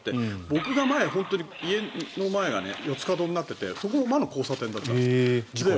僕が前、家の前が四つ角になっていてそこが魔の交差点だったの。